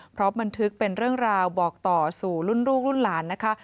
พร้อมบันทึกเป็นเรื่องราวบอกต่อสู่รุ่นลูกรุ่นหลานนะคะ